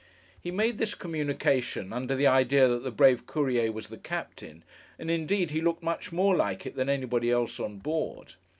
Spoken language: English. He made this communication, under the idea that the brave Courier was the captain; and indeed he looked much more like it than anybody else on board.